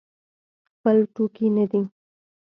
خپل ټوکي نه دی.